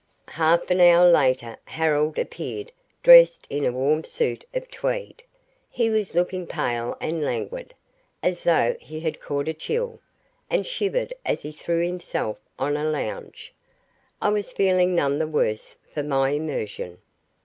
Half an hour later Harold appeared dressed in a warm suit of tweed. He was looking pale and languid, as though he had caught a chill, and shivered as he threw himself on a lounge. I was feeling none the worse for my immersion.